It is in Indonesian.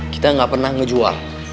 kita gak pernah ngejual